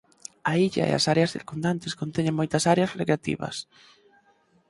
A illa e as áreas circundantes conteñen moitas áreas recreativas.